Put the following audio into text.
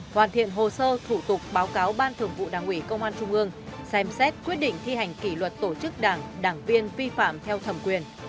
hoàn thiện hồ sơ thủ tục báo cáo ban thường vụ đảng ủy công an trung ương xem xét quyết định thi hành kỷ luật tổ chức đảng đảng viên vi phạm theo thẩm quyền